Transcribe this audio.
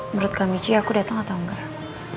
menurut kak michi aku datang atau enggak